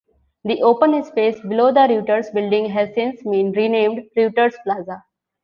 The open space below the Reuters building has since been renamed Reuters Plaza.